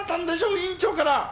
院長から。